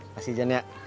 kasih jan ya